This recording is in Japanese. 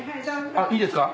あっいいですか？